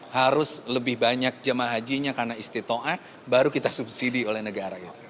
harus lebih banyak jamaah hajinya karena istiqa'ah baru kita subsidi oleh negara ya